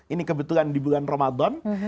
ini kebetulan di bulan ramadan